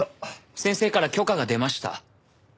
先生から許可が出ました。